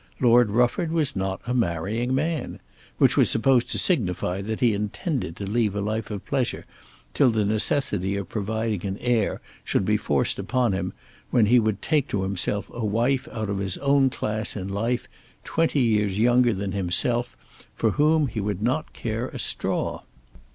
Lord Rufford was not a marrying man, which was supposed to signify that he intended to lead a life of pleasure till the necessity of providing an heir should be forced upon him, when he would take to himself a wife out of his own class in life twenty years younger than himself for whom he would not care a straw.